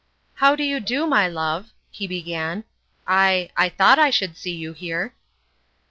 " How do you do, my love ?" he began. " I I thought I should see you here."